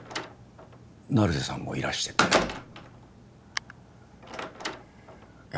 成瀬さんもいらしてていや